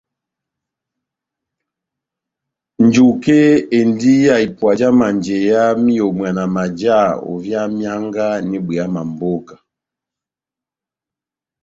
Njuke endi ya ipuwa já manjeya m'iyomwana maja ovia mianga n'ibweya ó mamboka.